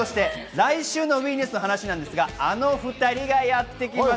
来週のＷＥニュースですが、あの２人がやってきます。